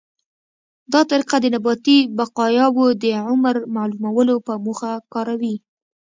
دا طریقه د نباتي بقایاوو د عمر معلومولو په موخه کاروي.